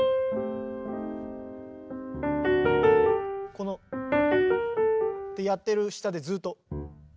このってやってる下でずっと。